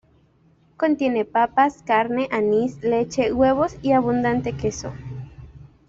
Contiene papas, carne, anís, leche, huevos y abundante queso.